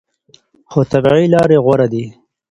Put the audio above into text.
خو طبیعي لارې غوره دي.